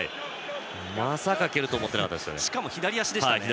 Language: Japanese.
まさか蹴るとは思っていなかったですよね。